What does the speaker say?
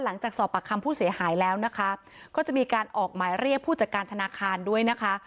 หลังจากสอบปากคำผู้เสียหายแล้วนะคะก็จะมีการออกหมายเรียกผู้จัดการธนาคารด้วยนะคะ